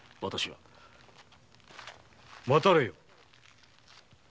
待たれよ。